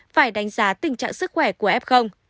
phải đánh giá tình trạng sức khỏe của f